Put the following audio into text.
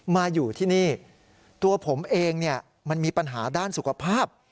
มาอยู่ที่นี่ตัวผมเองเนี่ยมันมีปัญหาด้านสุขภาพ